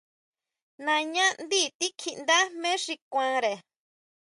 Nañá ndí tikjíʼndá jmé xi kuanre.